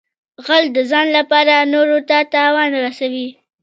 غل د ځان لپاره نورو ته تاوان رسوي